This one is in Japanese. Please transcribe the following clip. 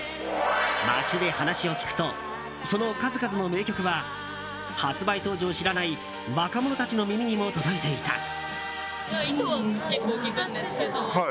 街で話を聞くとその数々の名曲は発売当時を知らない若者たちの耳にも届いていた。